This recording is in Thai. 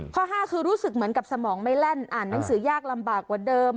ข้อ๕คือรู้สึกเหมือนกับสมองไม่แล่นอ่านหนังสือยากลำบากกว่าเดิม